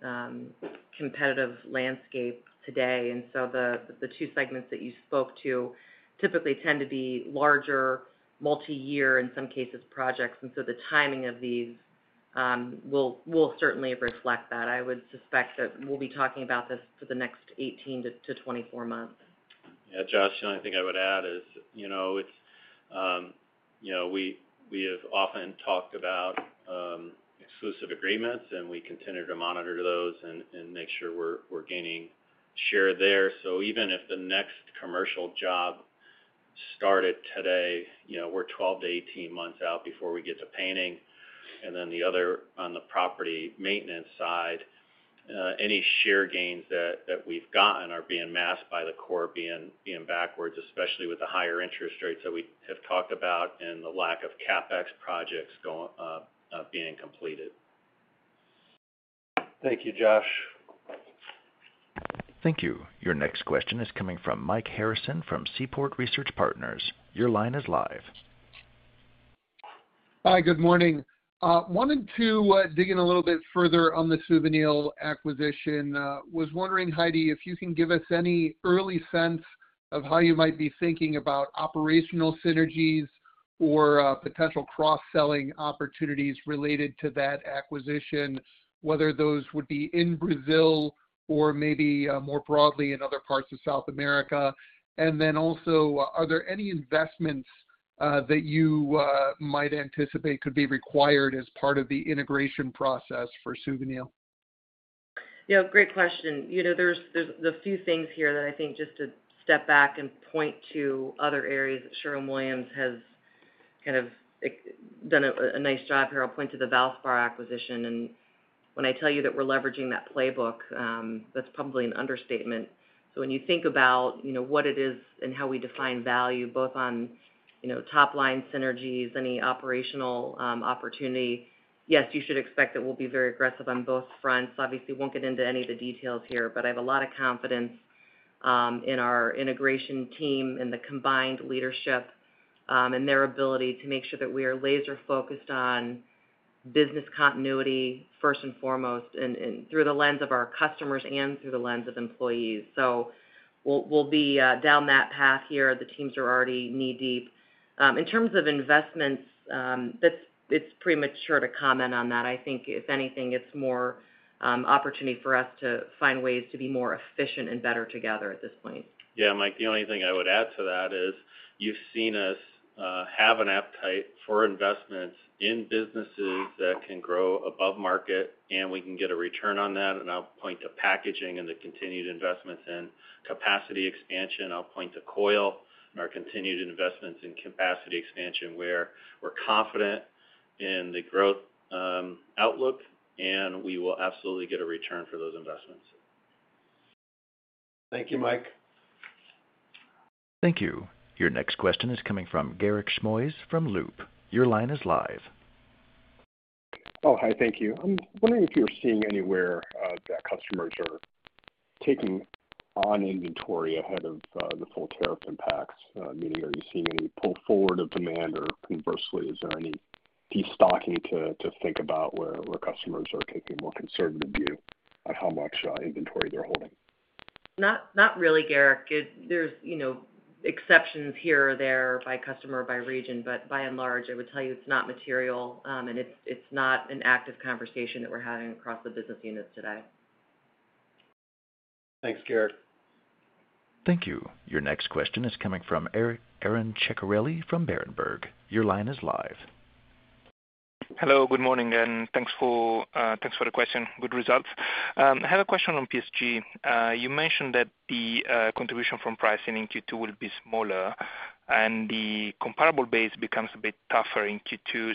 competitive landscape today. The two segments that you spoke to typically tend to be larger, multi-year, in some cases, projects. The timing of these will certainly reflect that. I would suspect that we'll be talking about this for the next 18 to 24 months. Yeah, Josh, the only thing I would add is we have often talked about exclusive agreements, and we continue to monitor those and make sure we're gaining share there. Even if the next Commercial job started today, we're 12-18 months out before we get to painting. The other on the Property Maintenance side, any share gains that we've gotten are being masked by the core being backwards, especially with the higher interest rates that we have talked about and the lack of CapEx projects being completed. Thank you, Josh. Thank you. Your next question is coming from Mike Harrison from Seaport Research Partners. Your line is live. Hi, good morning. Wanted to dig in a little bit further on the Suvinil acquisition. Was wondering, Heidi, if you can give us any early sense of how you might be thinking about operational synergies or potential cross-selling opportunities related to that acquisition, whether those would be in Brazil or maybe more broadly in other parts of South America. Also, are there any investments that you might anticipate could be required as part of the integration process for Suvinil? Yeah, great question. There's a few things here that I think just to step back and point to other areas that Sherwin-Williams has kind of done a nice job here. I'll point to the Valspar acquisition. When I tell you that we're leveraging that playbook, that's probably an understatement. When you think about what it is and how we define value, both on top-line synergies, any operational opportunity, yes, you should expect that we'll be very aggressive on both fronts. Obviously, we won't get into any of the details here, but I have a lot of confidence in our integration team and the combined leadership and their ability to make sure that we are laser-focused on business continuity first and foremost and through the lens of our customers and through the lens of employees. We'll be down that path here. The teams are already knee-deep. In terms of investments, it's premature to comment on that. I think, if anything, it's more opportunity for us to find ways to be more efficient and better together at this point. Yeah, Mike, the only thing I would add to that is you've seen us have an appetite for investments in businesses that can grow above market, and we can get a return on that. I will point to Packaging and the continued investments in capacity expansion. I will point to Coil and our continued investments in capacity expansion where we're confident in the growth outlook, and we will absolutely get a return for those investments. Thank you, Mike. Thank you. Your next question is coming from Garik Shmois from Loop. Your line is live. Oh, hi, thank you. I'm wondering if you're seeing anywhere that customers are taking on inventory ahead of the full tariff impacts. Meaning, are you seeing any pull forward of demand, or conversely, is there any destocking to think about where customers are taking a more conservative view of how much inventory they're holding? Not really, Garik. There are exceptions here or there by customer or by region, but by and large, I would tell you it's not material, and it's not an active conversation that we're having across the business units today. Thanks, Garik. Thank you. Your next question is coming from Aron Ceccarelli from Berenberg. Your line is live. Hello, good morning, and thanks for the question. Good results. I have a question on PSG. You mentioned that the contribution from pricing in Q2 will be smaller, and the comparable base becomes a bit tougher in Q2.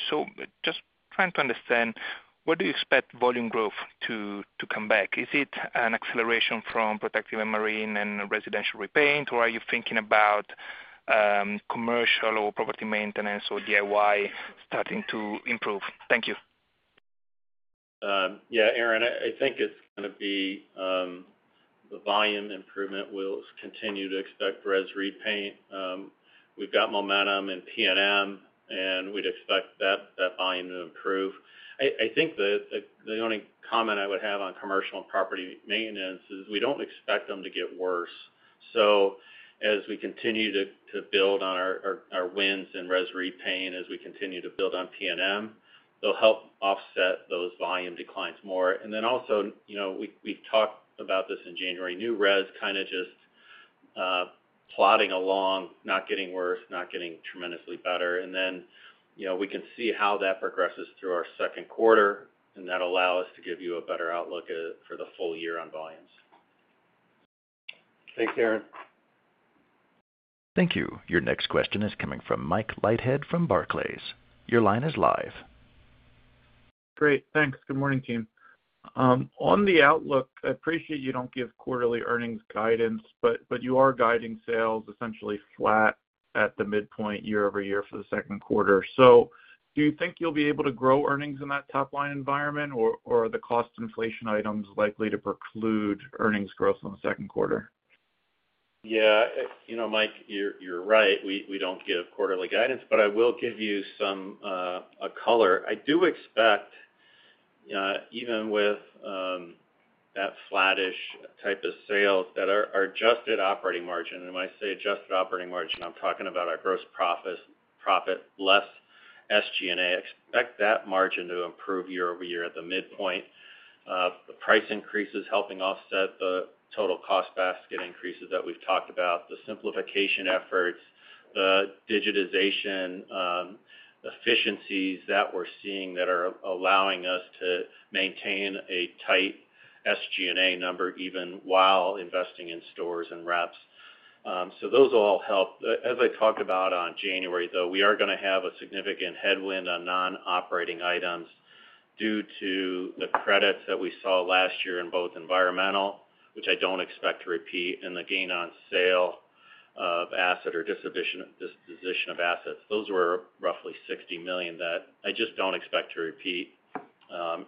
Just trying to understand, where do you expect volume growth to come back? Is it an acceleration from Protective and Marine and Residential Repaint, or are you thinking about Commercial or Property Maintenance or DIY starting to improve? Thank you. Yeah, Aron, I think it's going to be the volume improvement. We'll continue to expect Res Repaint. We've got momentum in P&M, and we'd expect that volume to improve. I think the only comment I would have on Commercial and Property Maintenance is we don't expect them to get worse. As we continue to build on our wins in Res Repaint, as we continue to build on P&M, they'll help offset those volume declines more. We've talked about this in January, New Res kind of just plodding along, not getting worse, not getting tremendously better. We can see how that progresses through our second quarter, and that'll allow us to give you a better outlook for the full year on volumes. Thanks, Aron. Thank you. Your next question is coming from Mike Leithead from Barclays. Your line is live. Great. Thanks. Good morning, team. On the outlook, I appreciate you don't give quarterly earnings guidance, but you are guiding sales essentially flat at the midpoint year-over-year for the second quarter. Do you think you'll be able to grow earnings in that top-line environment, or are the cost inflation items likely to preclude earnings growth in the second quarter? Yeah, Mike, you're right. We don't give quarterly guidance, but I will give you some color. I do expect, even with that flattish type of sales, that our adjusted operating margin, and when I say adjusted operating margin, I'm talking about our gross profit less SG&A. Expect that margin to improve year-over-year at the midpoint. The price increases helping offset the total cost basket increases that we've talked about, the simplification efforts, the digitization efficiencies that we're seeing that are allowing us to maintain a tight SG&A number even while investing in stores and reps. Those all help. As I talked about on January, though, we are going to have a significant headwind on non-operating items due to the credits that we saw last year in both environmental, which I don't expect to repeat, and the gain on sale of asset or disposition of assets. Those were roughly $60 million that I just do not expect to repeat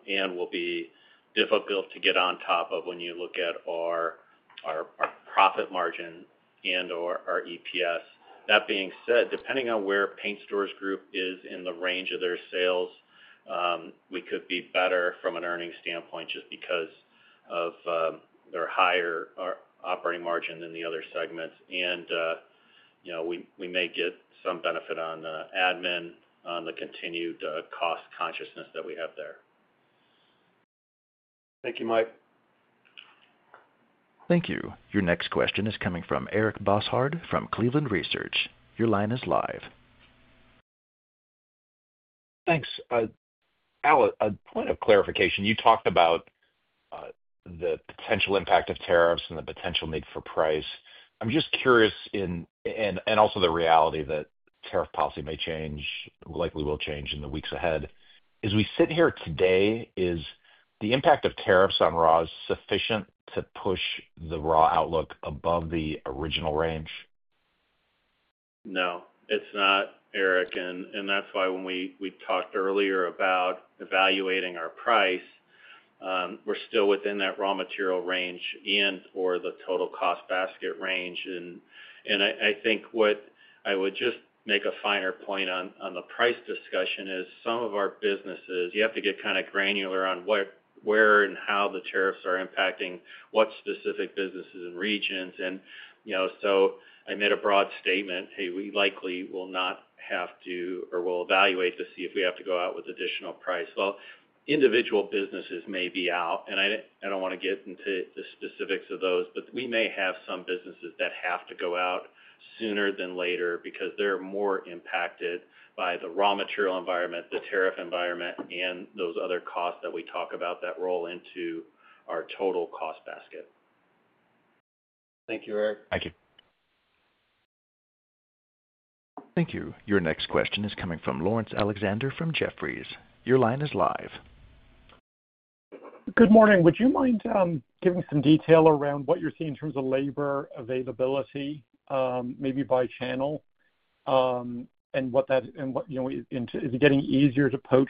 and will be difficult to get on top of when you look at our profit margin and/or our EPS. That being said, depending on where Paint Stores Group is in the range of their sales, we could be better from an earnings standpoint just because of their higher operating margin than the other segments. We may get some benefit on admin on the continued cost consciousness that we have there. Thank you, Mike. Thank you. Your next question is coming from Eric Bosshard from Cleveland Research. Your line is live. Thanks. Al, a point of clarification. You talked about the potential impact of tariffs and the potential need for price. I'm just curious, and also the reality that tariff policy may change, likely will change in the weeks ahead. As we sit here today, is the impact of tariffs on raw sufficient to push the raw outlook above the original range? No, it's not, Eric. That is why when we talked earlier about evaluating our price, we're still within that raw material range and/or the total cost basket range. I think what I would just make a finer point on the price discussion is some of our businesses, you have to get kind of granular on where and how the tariffs are impacting what specific businesses and regions. I made a broad statement, "Hey, we likely will not have to, or we'll evaluate to see if we have to go out with additional price." Individual businesses may be out, and I do not want to get into the specifics of those, but we may have some businesses that have to go out sooner than later because they are more impacted by the raw material environment, the tariff environment, and those other costs that we talk about that roll into our total cost basket. Thank you, Eric. Thank you. Thank you. Your next question is coming from Laurence Alexander from Jefferies. Your line is live. Good morning. Would you mind giving some detail around what you're seeing in terms of labor availability, maybe by channel, and what that is getting easier to poach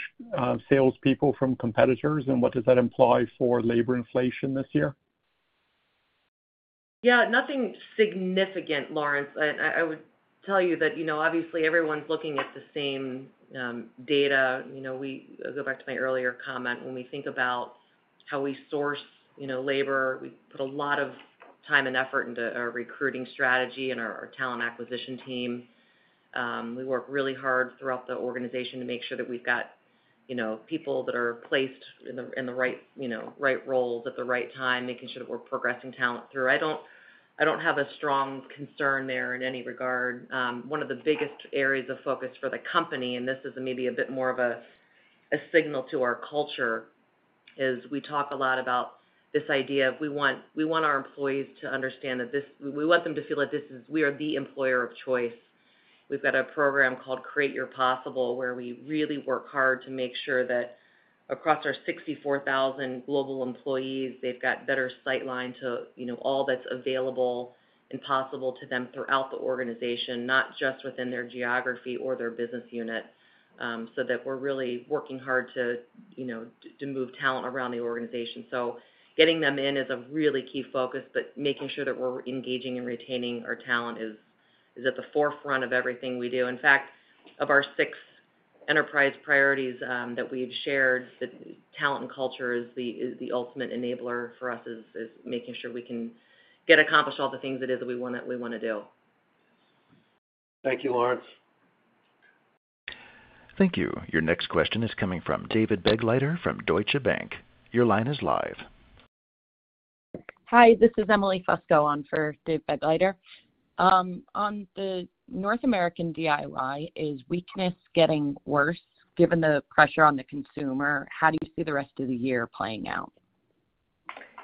salespeople from competitors? What does that imply for labor inflation this year? Yeah, nothing significant, Laurence. I would tell you that obviously everyone's looking at the same data. I go back to my earlier comment. When we think about how we source labor, we put a lot of time and effort into our recruiting strategy and our talent acquisition team. We work really hard throughout the organization to make sure that we've got people that are placed in the right roles at the right time, making sure that we're progressing talent through. I don't have a strong concern there in any regard. One of the biggest areas of focus for the company, and this is maybe a bit more of a signal to our culture, is we talk a lot about this idea of we want our employees to understand that we want them to feel that we are the employer of choice. We've got a program called Create Your Possible where we really work hard to make sure that acrawss our 64,000 global employees, they've got better sightline to all that's available and possible to them throughout the organization, not just within their geography or their business unit, so that we're really working hard to move talent around the organization. Getting them in is a really key focus, but making sure that we're engaging and retaining our talent is at the forefront of everything we do. In fact, of our six enterprise priorities that we've shared, the talent and culture is the ultimate enabler for us, is making sure we can get accomplished all the things that we want to do. Thank you, Laurence. Thank you. Your next question is coming from David Begleiter from Deutsche Bank. Your line is live. Hi, this is Emily Fusco on for David Begleiter. On the North American DIY, is weakness getting worse given the pressure on the consumer? How do you see the rest of the year playing out?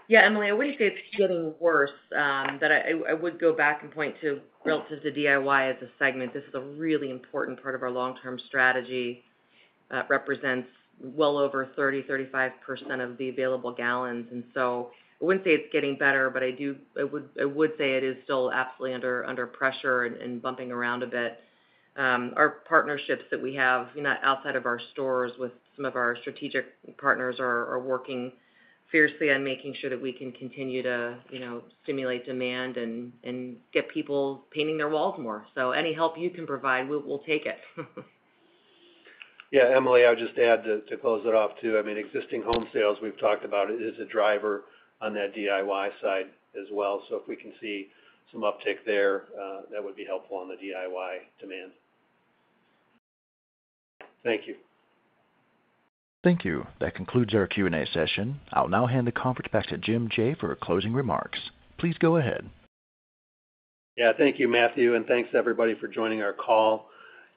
Yeah, Emily, I wouldn't say it's getting worse. I would go back and point to relative to DIY as a segment. This is a really important part of our long-term strategy. It represents well over 30-35% of the available gallons. I wouldn't say it's getting better, but I would say it is still absolutely under pressure and bumping around a bit. Our partnerships that we have outside of our stores with some of our strategic partners are working fiercely on making sure that we can continue to stimulate demand and get people painting their walls more. Any help you can provide, we'll take it. Yeah, Emily, I would just add to close it off too. I mean, existing home sales, we've talked about it, is a driver on that DIY side as well. If we can see some uptick there, that would be helpful on the DIY demand. Thank you. Thank you. That concludes our Q&A session. I'll now hand the conference back to Jim Jaye for closing remarks. Please go ahead. Yeah, thank you, Matthew, and thanks everybody for joining our call.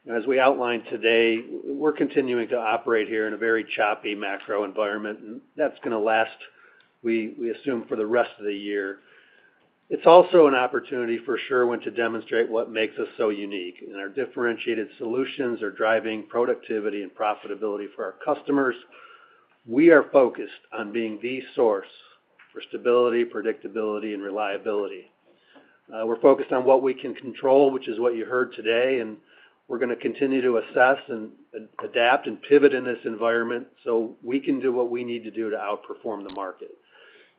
As we outlined today, we're continuing to operate here in a very choppy macro environment, and that's going to last, we assume, for the rest of the year. It's also an opportunity for Sherwin-Williams to demonstrate what makes us so unique. Our differentiated solutions are driving productivity and profitability for our customers. We are focused on being the source for stability, predictability, and reliability. We're focused on what we can control, which is what you heard today, and we're going to continue to assess and adapt and pivot in this environment so we can do what we need to do to outperform the market.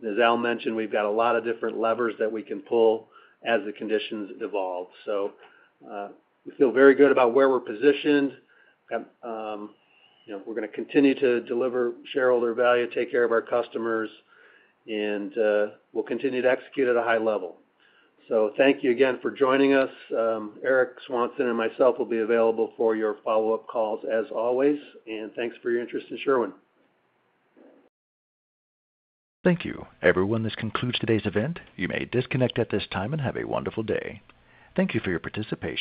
As Al mentioned, we've got a lot of different levers that we can pull as the conditions evolve. We feel very good about where we're positioned. We're going to continue to deliver shareholder value, take care of our customers, and we'll continue to execute at a high level. Thank you again for joining us. Eric Swanson and myself will be available for your follow-up calls as always. Thanks for your interest in Sherwin-Williams. Thank you. Everyone, this concludes today's event. You may disconnect at this time and have a wonderful day. Thank you for your participation.